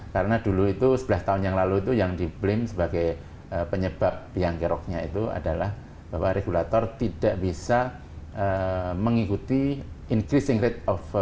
karena dulu itu sebelas tahun yang lalu itu yang di blame sebagai penyebab piang keroknya itu adalah bahwa regulator tidak bisa mengikuti increasing rate of air